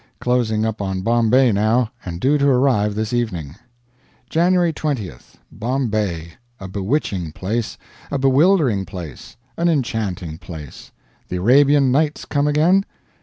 Closing up on Bombay now, and due to arrive this evening. January 20th. Bombay! A bewitching place, a bewildering place, an enchanting place the Arabian Nights come again?